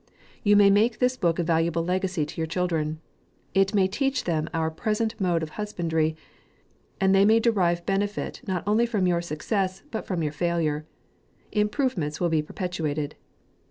You may make this book a valuable legacy to your children. It may teach them our present mode of hus bandry ; and they may derive benefit not on ly from your success, but from your failure. Improvements will be perpetuated.